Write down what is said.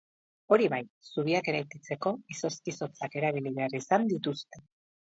Hori bai, zubiak eraikitzeko izozki-zotzak erabili behar izan dituzte.